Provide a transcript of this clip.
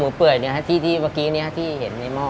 เปื่อยที่เมื่อกี้นี้ที่เห็นในหม้อ